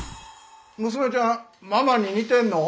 娘ちゃんママに似てんの？